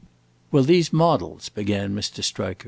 "Well, these models," began Mr. Striker.